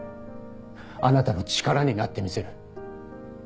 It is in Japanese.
あなたの力になってみせる。